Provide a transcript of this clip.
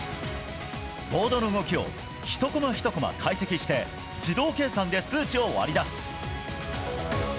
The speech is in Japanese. ボードの動きを１コマ１コマ解析して自動計算で数値を割り出す。